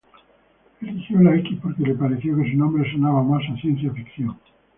Eligió la X porque le pareció que su nombre sonaba más a ciencia ficción.